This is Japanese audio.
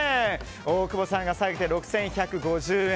大久保さんが下げて６１５０円。